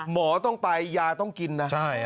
หมอต้องไปยาต้องกินนะ